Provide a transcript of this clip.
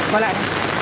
quay lại đi